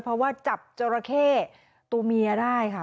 เพราะว่าจับจราเข้ตัวเมียได้ค่ะ